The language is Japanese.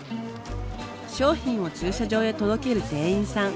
商品を駐車場へ届ける店員さん。